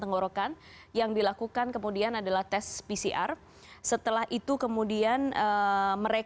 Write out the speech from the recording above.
terima kasih selamat sore